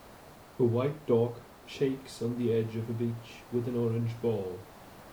A white dog shakes on the edge of a beach with an orange ball.